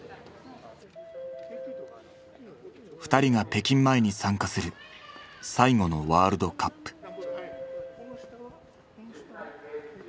２人が北京前に参加する最後のワールドカップ。